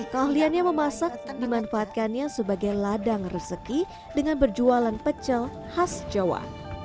keahliannya memasak dimanfaatkannya sebagai ladang rezeki dengan berjualan pecel khas jawa